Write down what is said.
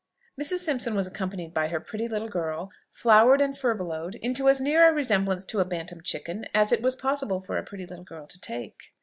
Mrs. Simpson was accompanied by her pretty little girl, flowered and furbelowed into as near a resemblance to a bantam chicken as it was possible for a pretty little girl to take.